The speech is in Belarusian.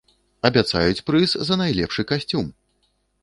Абяцаюць прыз за найлепшы касцюм!